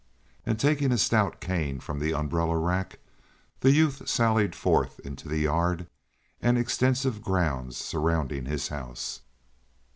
And taking a stout cane from the umbrella rack, the youth sallied forth into the yard and extensive grounds surrounding his house.